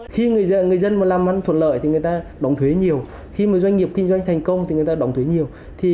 khi người dân làm thuật lợi thì người ta đóng thuế nhiều khi doanh nghiệp kinh doanh thành công thì người ta đóng thuế nhiều